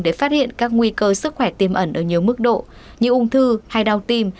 để phát hiện các nguy cơ sức khỏe tiêm ẩn ở nhiều mức độ như ung thư hay đau tim